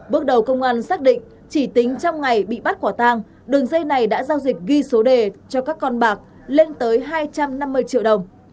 bước đầu công an xác định chỉ tính trong ngày bị bắt quả tang đường dây này đã giao dịch ghi số đề cho các con bạc lên tới hai trăm năm mươi triệu đồng